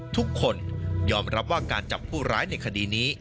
ทุกคนยอมรับว่าการจับผู้ร้ายในคดีนี้